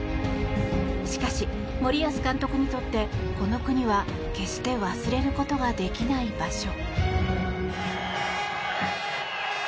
しかし、森保監督にとってこの国は決して忘れることができない場所。